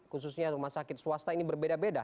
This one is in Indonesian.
khususnya rumah sakit swasta ini berbeda beda